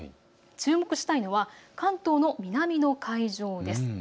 注目したいのは関東の南の海上です。